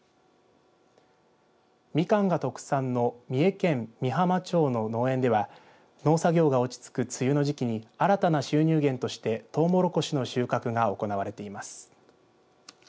ミカンが特産の三重県御浜町の農園では農作業が落ち着く梅雨の時期に新たな収入源としてトウモロコシの収穫が行われています。